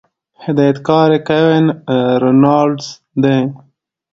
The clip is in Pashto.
هدايتکار ئې Kevin Reynolds دے